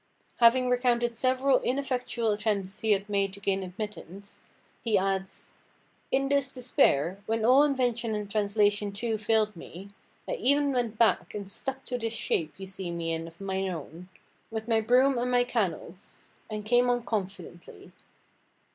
Having recounted several ineffectual attempts he had made to gain admittance, he adds: "In this despair, when all invention and translation too failed me, I e'en went back and stuck to this shape you see me in of mine own, with my broom and my canles, and came on confidently."